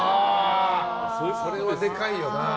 それはでかいよな。